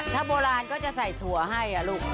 ถ้าโบราณก็จะใส่ถั่วให้ลูก